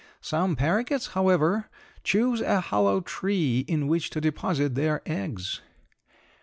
Some paroquets, however, choose a hollow tree in which to deposit their eggs.